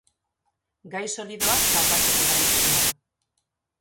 Gai solidoak kargatzeko erabiltzen da.